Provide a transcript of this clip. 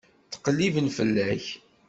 Ttqelliben fell-ak.